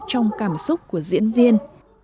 trong cảm xúc của diễn viên